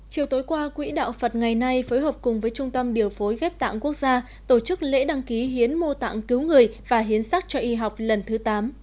chiều tối qua quỹ đạo phật ngày nay phối hợp cùng với trung tâm điều phối ghép tạng quốc gia tổ chức lễ đăng ký hiến mô tạng cứu người và hiến sắc cho y học lần thứ tám